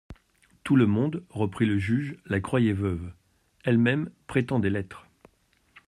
Tout le monde, reprit le juge, la croyait veuve ; elle-même prétendait l'être.